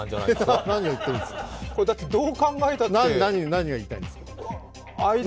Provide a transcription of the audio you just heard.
だってこれどう考えたって何が言いたいんですか！